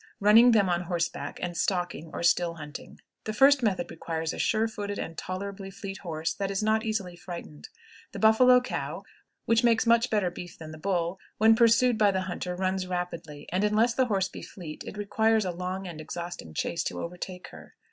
running them on horseback, and stalking, or still hunting. The first method requires a sure footed and tolerably fleet horse that is not easily frightened. The buffalo cow, which makes much better beef than the bull, when pursued by the hunter runs rapidly, and, unless the horse be fleet, it requires a long and exhausting chase to overtake her.